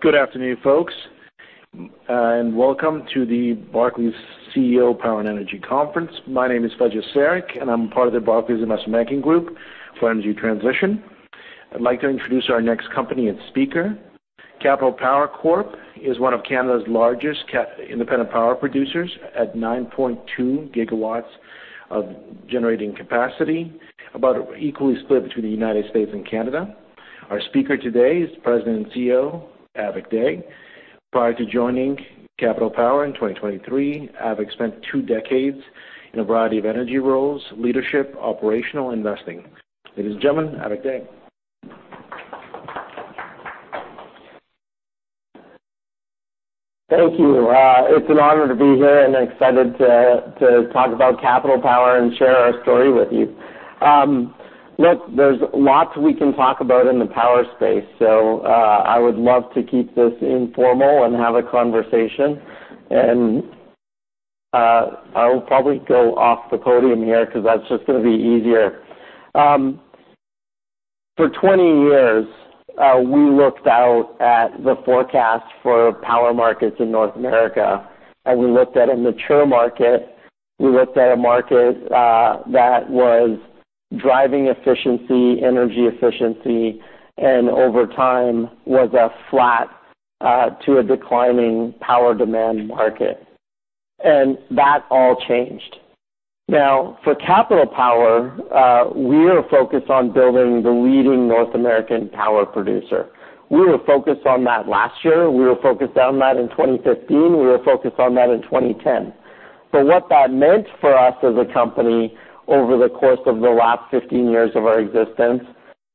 Good afternoon, folks, and welcome to the Barclays CEO Power and Energy Conference. My name is Behrooz Esfandiari, and I'm part of the Barclays Investment Banking Group for Energy Transition. I'd like to introduce our next company and speaker. Capital Power Corp is one of Canada's largest independent power producers at 9.2 gigawatts of generating capacity, about equally split between the United States and Canada. Our speaker today is President and CEO, Avik Dey. Prior to joining Capital Power in 2023, Avik spent two decades in a variety of energy roles, leadership, operational, investing. Ladies and gentlemen, Avik Dey. Thank you. It's an honor to be here, and I'm excited to talk about Capital Power and share our story with you. Look, there's lots we can talk about in the power space, so I would love to keep this informal and have a conversation, and I will probably go off the podium here because that's just gonna be easier. For 20 years, we looked out at the forecast for power markets in North America, and we looked at a mature market. We looked at a market that was driving efficiency, energy efficiency, and over time, was a flat to a declining power demand market, and that all changed. Now, for Capital Power, we are focused on building the leading North American power producer. We were focused on that last year, we were focused on that in 2015, we were focused on that in 2010. So what that meant for us as a company over the course of the last 15 years of our existence,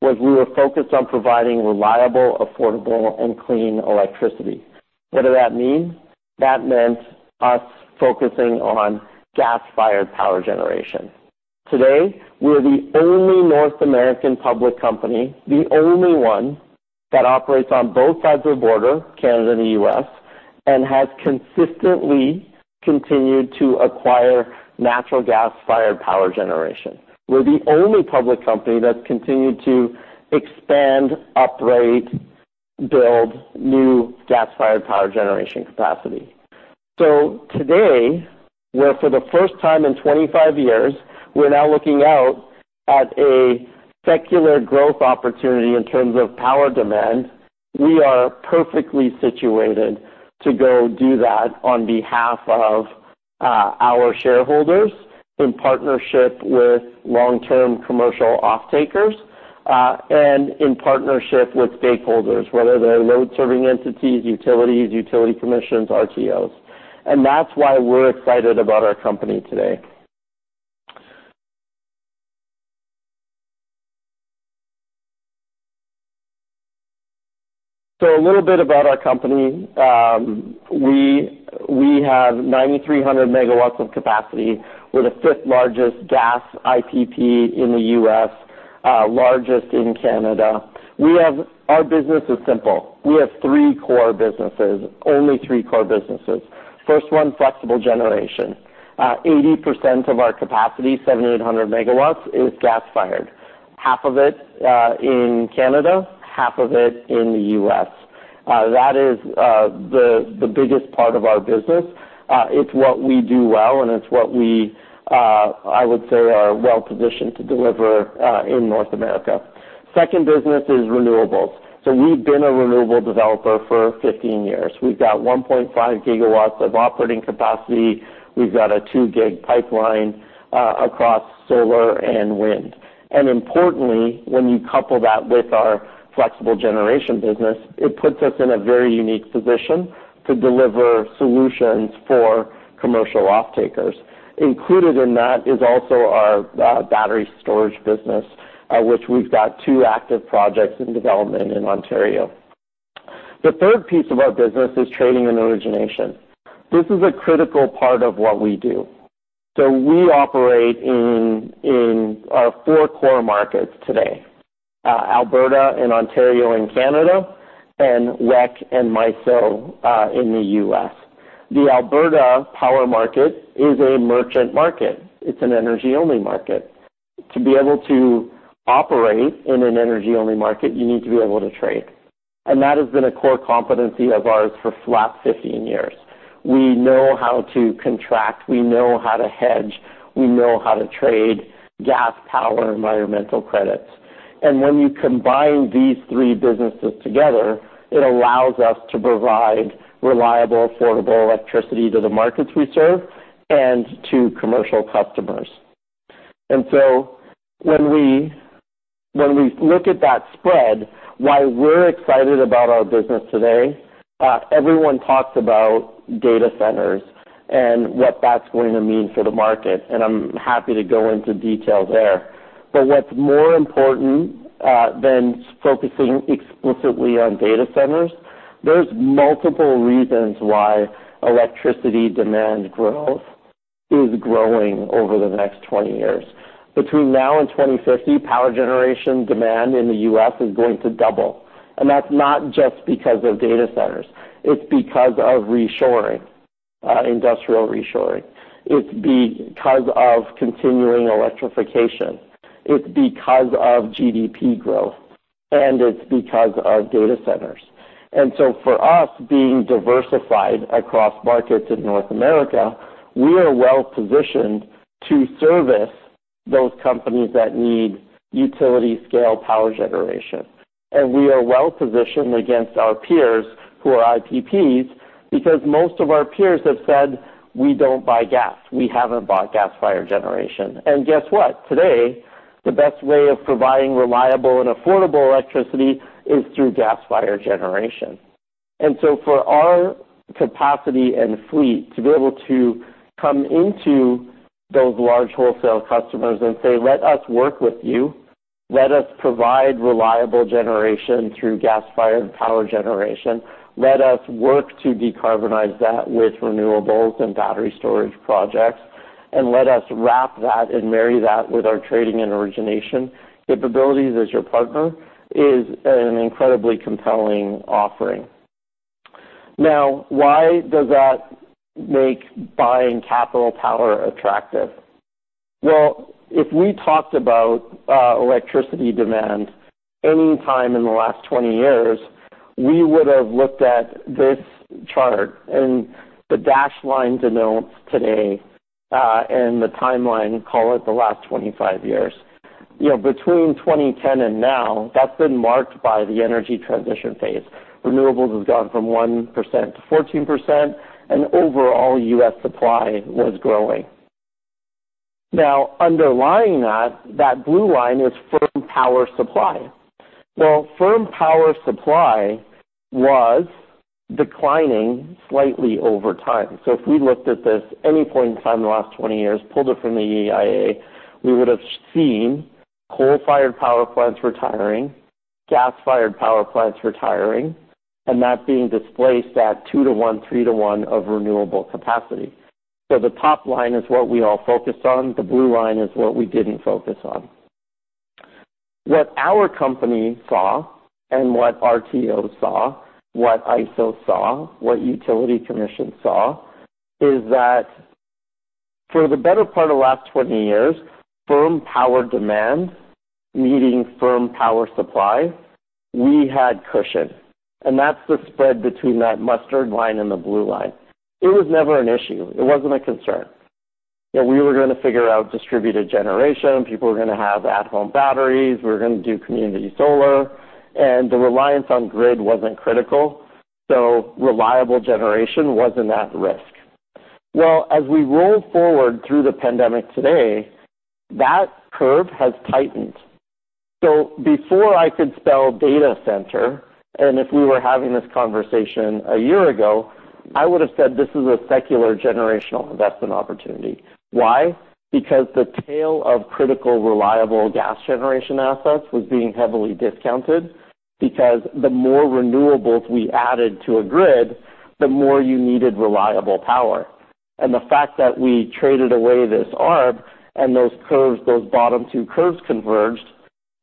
was we were focused on providing reliable, affordable, and clean electricity. What did that mean? That meant us focusing on gas-fired power generation. Today, we're the only North American public company, the only one, that operates on both sides of the border, Canada and the U.S., and has consistently continued to acquire natural gas-fired power generation. We're the only public company that's continued to expand, upgrade, build new gas-fired power generation capacity. So today, where for the first time in 25 years, we're now looking out at a secular growth opportunity in terms of power demand, we are perfectly situated to go do that on behalf of our shareholders, in partnership with long-term commercial off-takers, and in partnership with stakeholders, whether they're load-serving entities, utilities, utility commissions, RTOs. And that's why we're excited about our company today. So a little bit about our company. We, we have 9,300 megawatts of capacity. We're the fifth-largest gas IPP in the U.S., largest in Canada. Our business is simple. We have three core businesses, only three core businesses. First one, flexible generation. 80% of our capacity, 7,800 megawatts, is gas-fired. Half of it in Canada, half of it in the U.S. That is the biggest part of our business. It's what we do well, and it's what we, I would say, are well-positioned to deliver, in North America. Second business is renewables. So we've been a renewable developer for 15 years. We've got one point five gigawatts of operating capacity. We've got a two-gig pipeline, across solar and wind. And importantly, when you couple that with our flexible generation business, it puts us in a very unique position to deliver solutions for commercial off-takers. Included in that is also our battery storage business, which we've got two active projects in development in Ontario. The third piece of our business is trading and origination. This is a critical part of what we do. So we operate in four core markets today, Alberta and Ontario and Canada, and WECC and MISO, in the U.S. The Alberta power market is a merchant market. It's an energy-only market. To be able to operate in an energy-only market, you need to be able to trade, and that has been a core competency of ours for the last 15 years. We know how to contract, we know how to hedge, we know how to trade gas, power, environmental credits. And when you combine these three businesses together, it allows us to provide reliable, affordable electricity to the markets we serve and to commercial customers. And so when we look at that spread, why we're excited about our business today, everyone talks about data centers and what that's going to mean for the market, and I'm happy to go into detail there. But what's more important than focusing explicitly on data centers, there's multiple reasons why electricity demand growth is growing over the next 20 years. Between now and 2050, power generation demand in the U.S. is going to double. And that's not just because of data centers, it's because of reshoring, industrial reshoring. It's because of continuing electrification. It's because of GDP growth, and it's because of data centers. And so for us, being diversified across markets in North America, we are well-positioned to service those companies that need utility-scale power generation. And we are well-positioned against our peers who are IPPs, because most of our peers have said, We don't buy gas. We haven't bought gas-fired generation. And guess what? Today, the best way of providing reliable and affordable electricity is through gas-fired generation. And so for our capacity and fleet to be able to come into those large wholesale customers and say, let us work with you, let us provide reliable generation through gas-fired power generation, let us work to decarbonize that with renewables and battery storage projects, and let us wrap that and marry that with our trading and origination capabilities as your partner, is an incredibly compelling offering. Now, why does that make buying Capital Power attractive? Well, if we talked about electricity demand any time in the last 20 years, we would have looked at this chart, and the dashed line denotes today, and the timeline, call it the last 25 years. You know, between 2010 and now, that's been marked by the energy transition phase. Renewables has gone from 1% to 14%, and overall, U.S. supply was growing. Now, underlying that, that blue line is firm power supply. Well, firm power supply was declining slightly over time. So if we looked at any point in time in the last 20 years, pulled it from the EIA, we would have seen coal-fired power plants retiring, gas-fired power plants retiring, and that being displaced at two to one, three to one of renewable capacity. So the top line is what we all focused on. The blue line is what we didn't focus on. What our company saw and what RTO saw, what ISO saw, what utility commission saw, is that for the better part of the last 20 years, firm power demand meeting firm power supply, we had cushion, and that's the spread between that mustard line and the blue line. It was never an issue. It wasn't a concern. That we were gonna figure out distributed generation, people were gonna have at-home batteries, we were gonna do community solar, and the reliance on grid wasn't critical, so reliable generation wasn't at risk. Well, as we roll forward through the pandemic today, that curve has tightened. So before I could spell data center, and if we were having this conversation a year ago, I would have said this is a secular generational investment opportunity. Why? Because the tail of critical, reliable gas generation assets was being heavily discounted, because the more renewables we added to a grid, the more you needed reliable power. And the fact that we traded away this arb and those curves, those bottom two curves converged,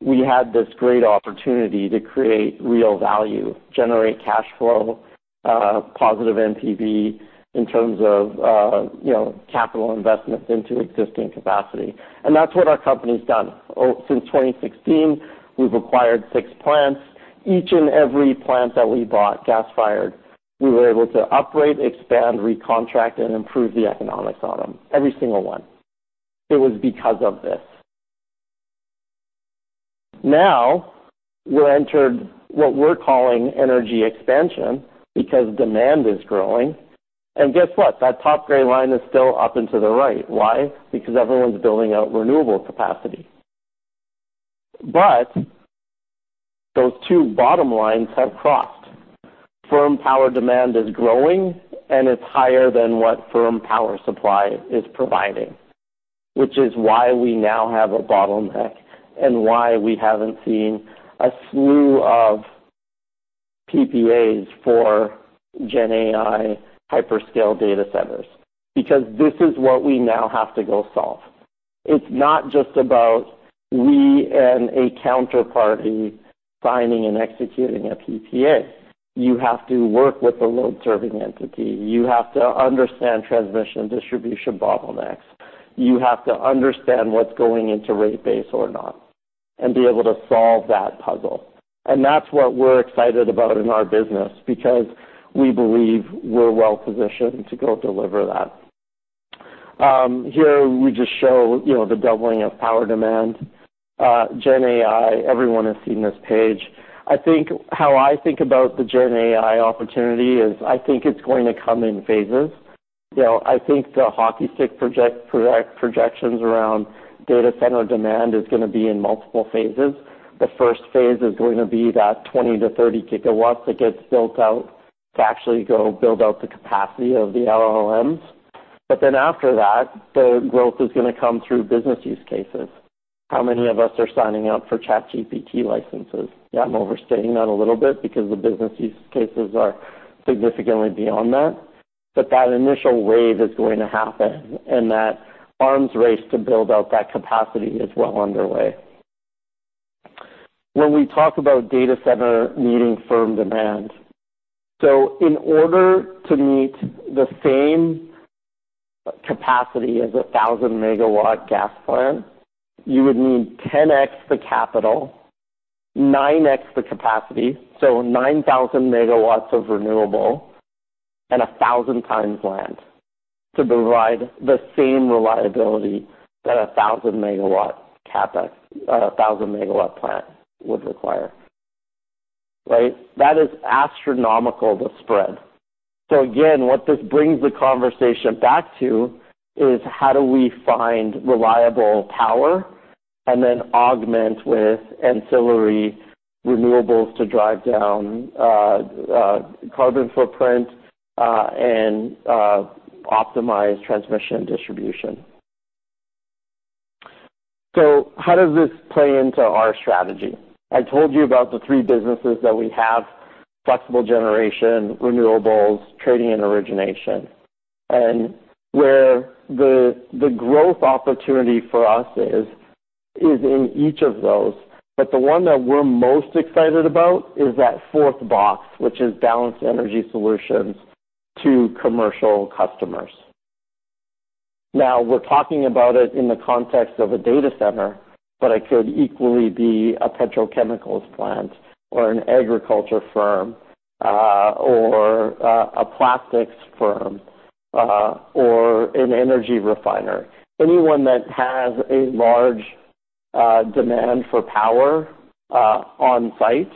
we had this great opportunity to create real value, generate cash flow, positive NPV in terms of, you know, capital investments into existing capacity. That's what our company's done. Oh, since 2016, we've acquired six plants. Each and every plant that we bought, gas-fired, we were able to upgrade, expand, recontract, and improve the economics on them, every single one. It was because of this. Now, we're entered what we're calling energy expansion because demand is growing. Guess what? That top gray line is still up and to the right. Why? Because everyone's building out renewable capacity. Those two bottom lines have crossed. Firm power demand is growing, and it's higher than what firm power supply is providing, which is why we now have a bottleneck and why we haven't seen a slew of PPAs for GenAI hyperscale data centers, because this is what we now have to go solve. It's not just about we and a counterparty signing and executing a PPA. You have to work with the load-serving entity. You have to understand transmission and distribution bottlenecks. You have to understand what's going into rate base or not, and be able to solve that puzzle. And that's what we're excited about in our business because we believe we're well-positioned to go deliver that. Here we just show, you know, the doubling of power demand. GenAI, everyone has seen this page. I think, how I think about the GenAI opportunity is I think it's going to come in phases. You know, I think the hockey stick projections around data center demand is gonna be in multiple phases. The first phase is going to be that 20-30 gigawatts that gets built out to actually go build out the capacity of the LLMs. But then after that, the growth is gonna come through business use cases. How many of us are signing up for ChatGPT licenses? Yeah, I'm overstating that a little bit because the business use cases are significantly beyond that, but that initial wave is going to happen, and that arms race to build out that capacity is well underway... When we talk about data center needing firm demand. So in order to meet the same capacity as a 1,000-megawatt gas plant, you would need 10 x the capital, 9 x the capacity, so 9,000 megawatts of renewable, and 1,000 times land to provide the same reliability that a 1,000-megawatt CapEx, or a 1,000-megawatt plant would require, right? That is astronomical to spread. So again, what this brings the conversation back to is how do we find reliable power and then augment with ancillary renewables to drive down carbon footprint and optimize transmission and distribution. So how does this play into our strategy? I told you about the three businesses that we have, flexible generation, renewables, trading and origination. And where the growth opportunity for us is in each of those. But the one that we're most excited about is that fourth box, which is balanced energy solutions to commercial customers. Now, we're talking about it in the context of a data center, but it could equally be a petrochemicals plant or an agriculture firm, or a plastics firm, or an energy refiner. Anyone that has a large demand for power on site,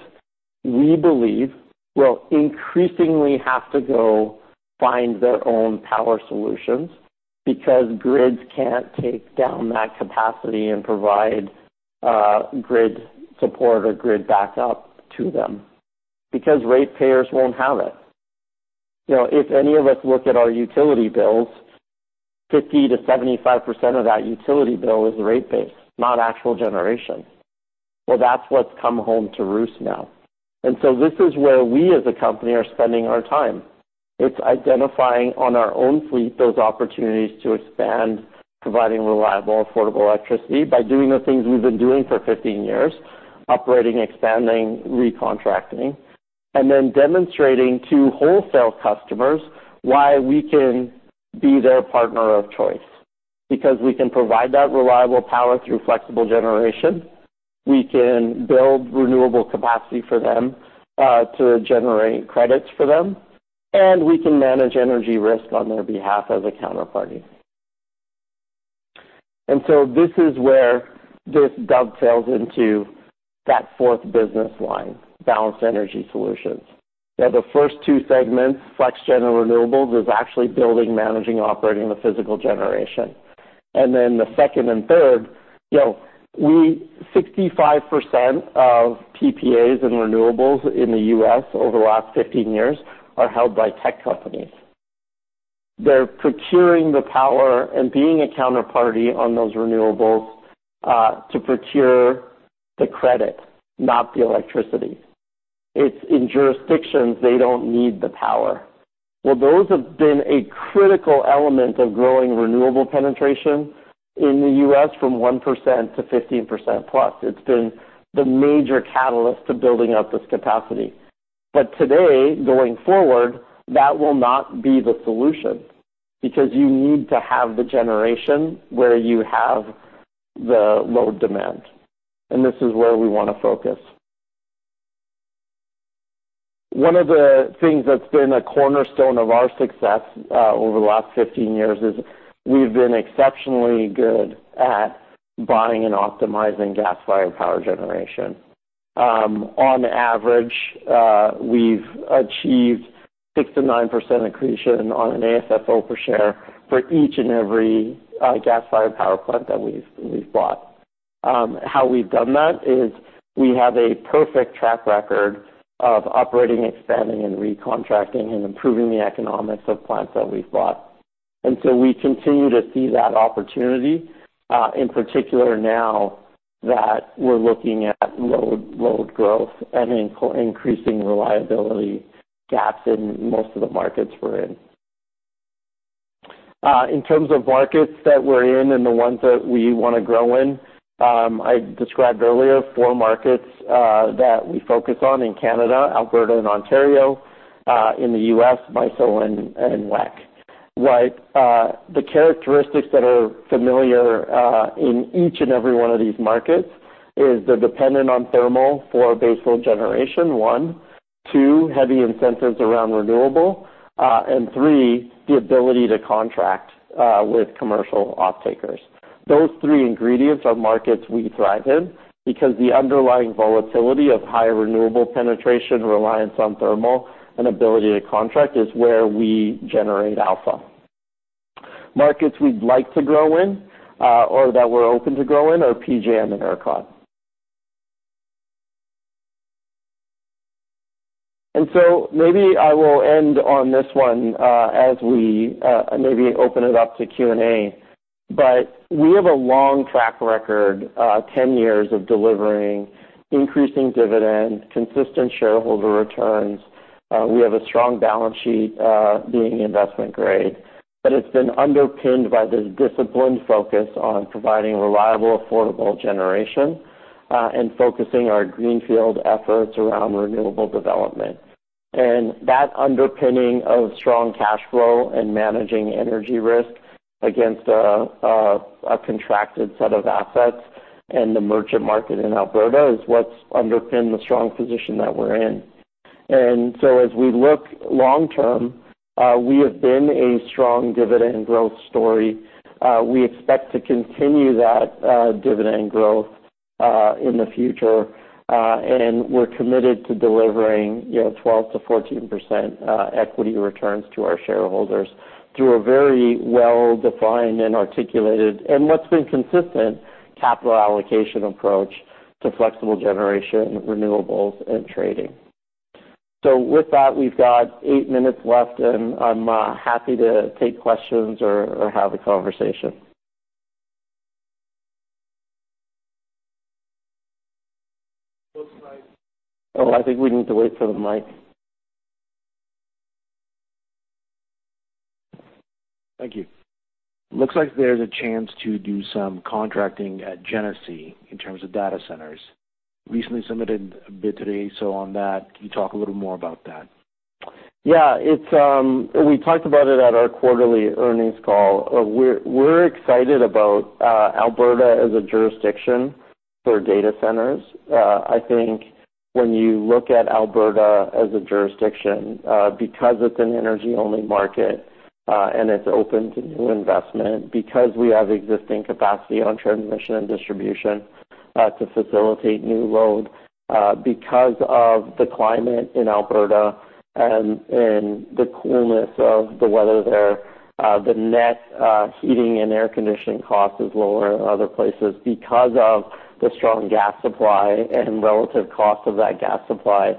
we believe, will increasingly have to go find their own power solutions, because grids can't take down that capacity and provide grid support or grid backup to them, because ratepayers won't have it. You know, if any of us look at our utility bills, 50%-75% of that utility bill is rate base, not actual generation. That's what's come home to roost now. This is where we, as a company, are spending our time. It's identifying on our own fleet those opportunities to expand, providing reliable, affordable electricity by doing the things we've been doing for 15 years, operating, expanding, recontracting, and then demonstrating to wholesale customers why we can be their partner of choice. Because we can provide that reliable power through flexible generation. We can build renewable capacity for them to generate credits for them, and we can manage energy risk on their behalf as a counterparty. This is where this dovetails into that fourth business line, balanced energy solutions. Now, the first two segments, flex gen and renewables, is actually building, managing, operating the physical generation, and then the second and third, you know, 65% of PPAs and renewables in the U.S. over the last 15 years are held by tech companies. They're procuring the power and being a counterparty on those renewables to procure the credit, not the electricity. It's in jurisdictions they don't need the power, well, those have been a critical element of growing renewable penetration in the U.S. from 1% to 15% plus. It's been the major catalyst to building out this capacity, but today, going forward, that will not be the solution, because you need to have the generation where you have the load demand, and this is where we want to focus. One of the things that's been a cornerstone of our success over the last 15 years is we've been exceptionally good at buying and optimizing gas-fired power generation. On average, we've achieved 6-9% accretion on an AFFO per share for each and every gas-fired power plant that we've bought. How we've done that is we have a perfect track record of operating, expanding, and recontracting and improving the economics of plants that we've bought. And so we continue to see that opportunity in particular now that we're looking at load growth and increasing reliability gaps in most of the markets we're in. In terms of markets that we're in and the ones that we want to grow in, I described earlier four markets that we focus on in Canada, Alberta and Ontario, in the US, MISO and WECC. Right, the characteristics that are familiar in each and every one of these markets is they're dependent on thermal for baseline generation, one. Two, heavy incentives around renewable. And three, the ability to contract with commercial off-takers. Those three ingredients are markets we thrive in because the underlying volatility of high renewable penetration, reliance on thermal, and ability to contract is where we generate alpha. Markets we'd like to grow in, or that we're open to grow in are PJM and ERCOT. And so maybe I will end on this one, as we maybe open it up to Q&A. But we have a long track record, 10 years of delivering increasing dividends, consistent shareholder returns. We have a strong balance sheet, being investment grade, but it's been underpinned by this disciplined focus on providing reliable, affordable generation, and focusing our greenfield efforts around renewable development. And that underpinning of strong cash flow and managing energy risk against a contracted set of assets and the merchant market in Alberta is what's underpinned the strong position that we're in. And so as we look long term, we have been a strong dividend growth story. We expect to continue that dividend growth in the future. And we're committed to delivering, you know, 12%-14% equity returns to our shareholders through a very well-defined and articulated, and what's been consistent, capital allocation approach to flexible generation, renewables, and trading. So with that, we've got eight minutes left, and I'm happy to take questions or have a conversation. Oh, I think we need to wait for the mic. Thank you. Looks like there's a chance to do some contracting at Genesee in terms of data centers. Recently submitted a bid today, so on that, can you talk a little more about that? Yeah, it's. We talked about it at our quarterly earnings call. We're excited about Alberta as a jurisdiction for data centers. I think when you look at Alberta as a jurisdiction, because it's an energy-only market, and it's open to new investment, because we have existing capacity on transmission and distribution, to facilitate new load, because of the climate in Alberta and the coolness of the weather there, the net heating and air conditioning cost is lower than other places. Because of the strong gas supply and relative cost of that gas supply,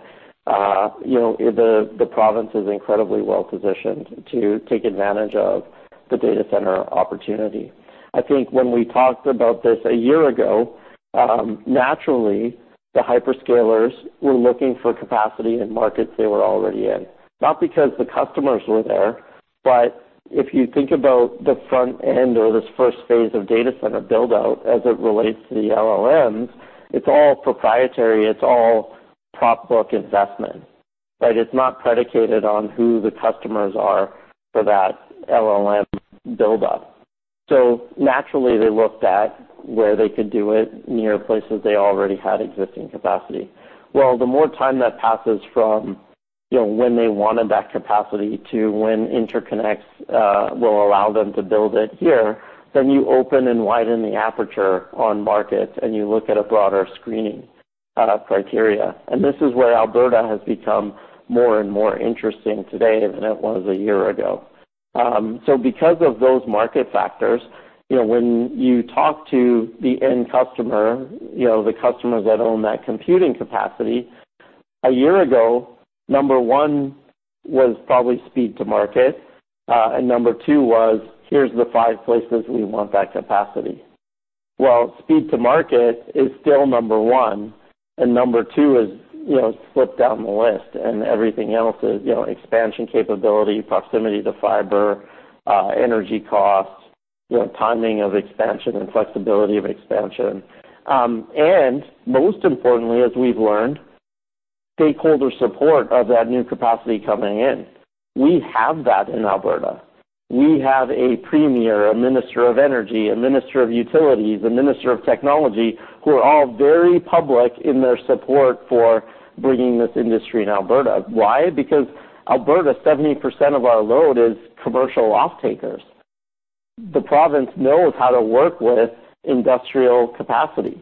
you know, the province is incredibly well-positioned to take advantage of the data center opportunity. I think when we talked about this a year ago, naturally, the hyperscalers were looking for capacity in markets they were already in, not because the customers were there. But if you think about the front end or this first phase of data center build-out as it relates to the LLMs, it's all proprietary, it's all prop book investment, right? It's not predicated on who the customers are for that LLM build-up. So naturally, they looked at where they could do it near places they already had existing capacity. Well, the more time that passes from, you know, when they wanted that capacity to when interconnects will allow them to build it here, then you open and widen the aperture on markets, and you look at a broader screening criteria. This is where Alberta has become more and more interesting today than it was a year ago because of those market factors. You know, when you talk to the end customer, you know, the customers that own that computing capacity, a year ago, number one was probably speed to market, and number two was, "Here's the five places we want that capacity." Speed to market is still number one, and number two is, you know, slipped down the list, and everything else is, you know, expansion capability, proximity to fiber, energy costs, you know, timing of expansion and flexibility of expansion. Most importantly, as we've learned, stakeholder support of that new capacity coming in. We have that in Alberta. We have a premier, a minister of energy, a minister of utilities, a minister of technology, who are all very public in their support for bringing this industry in Alberta. Why? Because Alberta, 70% of our load is commercial off-takers. The province knows how to work with industrial capacity.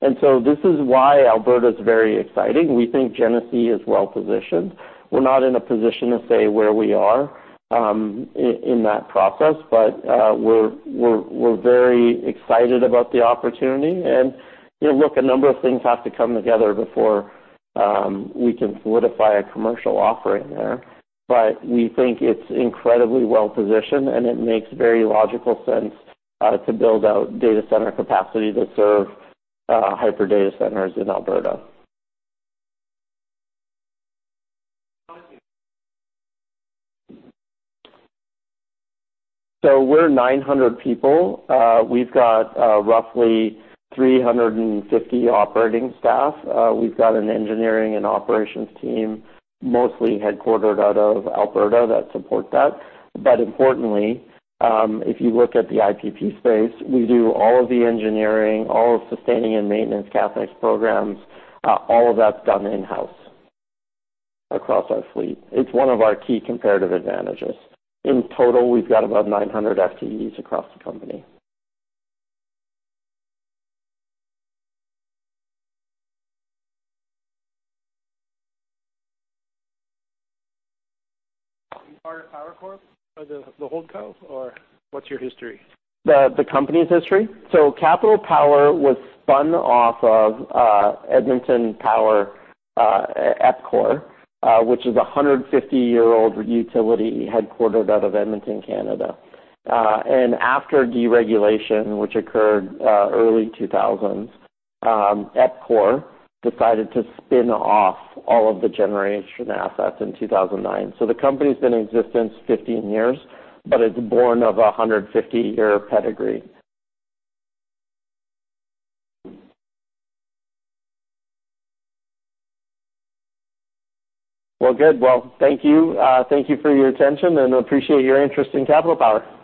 And so this is why Alberta is very exciting. We think Genesee is well-positioned. We're not in a position to say where we are in that process, but we're very excited about the opportunity. And, you know, look, a number of things have to come together before we can solidify a commercial offering there. But we think it's incredibly well-positioned, and it makes very logical sense to build out data center capacity to serve hyperscale data centers in Alberta. So we're 900 people. We've got roughly three hundred and fifty operating staff. We've got an engineering and operations team, mostly headquartered out of Alberta, that support that. But importantly, if you look at the IPP space, we do all of the engineering, all of sustaining and maintenance CapEx programs, all of that's done in-house across our fleet. It's one of our key comparative advantages. In total, we've got about nine hundred FTEs across the company. Capital Power Corp, are they the holdco, or what's your history? The company's history? So Capital Power was spun off of Edmonton Power, EPCOR, which is a 150-year-old utility headquartered out of Edmonton, Canada. And after deregulation, which occurred early 2000, EPCOR decided to spin off all of the generation assets in 2009. So the company's been in existence 15 years, but it's born of a 150-year pedigree. Well, good. Well, thank you. Thank you for your attention, and appreciate your interest in Capital Power.